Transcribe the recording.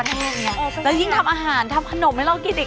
แล้วยิ่งทำอาหารทำขนมให้เรากินอีก